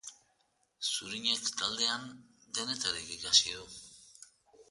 Zurinek taldean denetarik ikasi du.